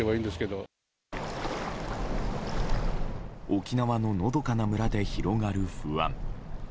沖縄ののどかな村で広がる不安。